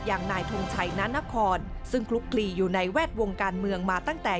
อย่างนายทงชัยนานครซึ่งคลุกคลีอยู่ในแวดวงการเมืองมาตั้งแต่